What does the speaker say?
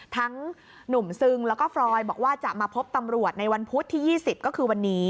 หนุ่มซึงแล้วก็ฟรอยบอกว่าจะมาพบตำรวจในวันพุธที่๒๐ก็คือวันนี้